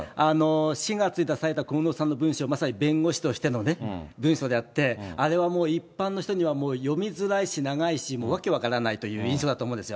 ４月に公表された小室さんの文書、まさに弁護士としての文書であって、あれはもう一般の人には読みづらいし長いし、もう訳分からないという印象だと思うんですよ。